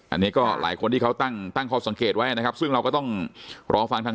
อันนี้ก็หลายคนที่เขาตั้งตั้งข้อสังเกตไว้นะครับซึ่งเราก็ต้องรอฟังทาง